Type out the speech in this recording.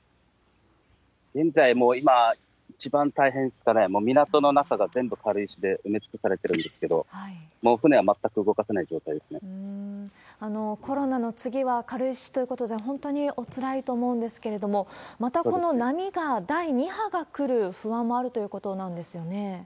現在もう今、一番大変ですから、もう港の中が全部軽石で埋め尽くされてるんですけど、コロナの次は軽石ということで、本当におつらいと思うんですけれども、またこの波が、第２波が来る不安もあるということなんですよね。